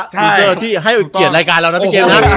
ดีเซลที่ให้เกียรติรายการเรานะพี่เกมนะ